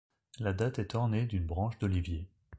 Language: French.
La date est ornée d'une branche d'oliviers.